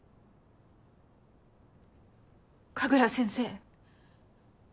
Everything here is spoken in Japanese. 神楽先生。